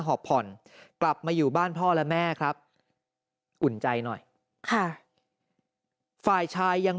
หอบผ่อนกลับมาอยู่บ้านพ่อและแม่ครับอุ่นใจหน่อยค่ะฝ่ายชายยัง